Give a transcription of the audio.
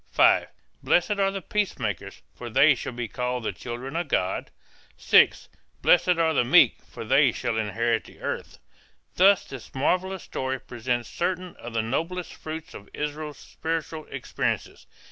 (5) Blessed are the peacemakers for they shall be called the children of God. (6) Blessed are the meek for they shall inherit the earth. Thus this marvelous story presents certain of the noblest fruits of Israel's spiritual experiences.